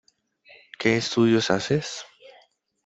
¿Qué estudios haces?